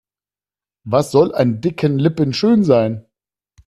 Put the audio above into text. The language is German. Was soll an dicken Lippen schön sein?